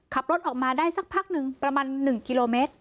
ขับรถออกมาได้สักพักหนึ่งประมาณ๑กิโลเมตร